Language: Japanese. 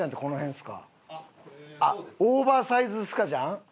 あっオーバーサイズスカジャン？